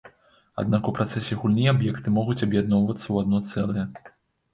Аднак у працэсе гульні аб'екты могуць аб'ядноўвацца ў адно цэлае.